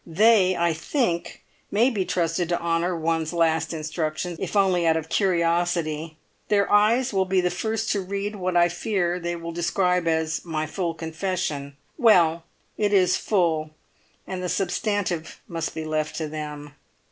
They, I think, may be trusted to honour one's last instructions, if only out of curiosity; their eyes will be the first to read what I fear they will describe as my 'full confession.' Well, it is 'full,' and the substantive must be left to them.